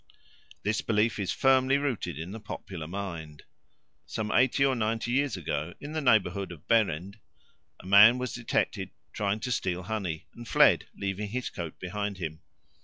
This belief is firmly rooted in the popular mind. Some eighty or ninety years ago, in the neighbourhood of Berend, a man was detected trying to steal honey, and fled, leaving his coat behind him.